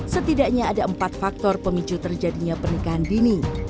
setidaknya ada empat faktor pemicu terjadinya pernikahan dini